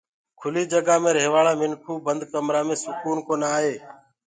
کُلي جگآ مينٚ ريهوآݪآ مِنکوُ بند ڪمرآ مي سڪون ڪونآ آئي